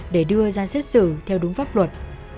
để đưa ra xét xử theo đúng pháp luật